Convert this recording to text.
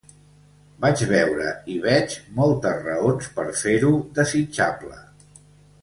Vaig veure, i veig, moltes raons per fer-ho desitjable.